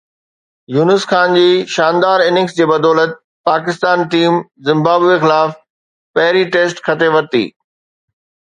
يونس خان جي شاندار اننگز جي بدولت پاڪستاني ٽيم زمبابوي خلاف پهرين ٽيسٽ کٽي ورتي.